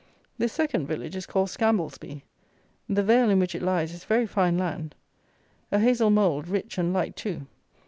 This second village is called Scamblesby. The vale in which it lies is very fine land. A hazel mould, rich and light too.